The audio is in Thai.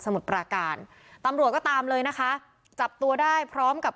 มุดปราการตำรวจก็ตามเลยนะคะจับตัวได้พร้อมกับ